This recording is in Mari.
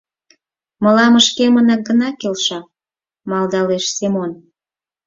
— Мылам шкемынак гына келша, — малдалеш Семон.